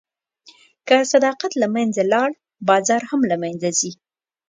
که صداقت له منځه لاړ، بازار هم له منځه ځي.